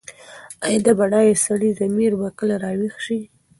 ایا د بډایه سړي ضمیر به کله راویښ شي؟